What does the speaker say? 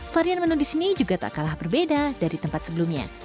varian menu di sini juga tak kalah berbeda dari tempat sebelumnya